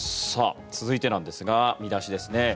続いてなんですが見出しですね。